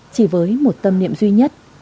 chỉ với một tâm niệm duy nhất